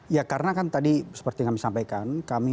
ya karena kan tadi seperti yang kami sampaikan kami sangat menghormati ya